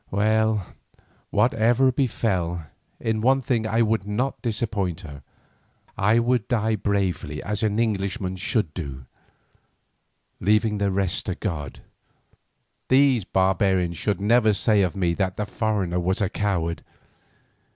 Well, whatever befell, in one thing I would not disappoint her, I would die bravely as an Englishman should do, leaving the rest to God. These barbarians should never say of me that the foreigner was a coward.